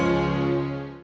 terima kasih sudara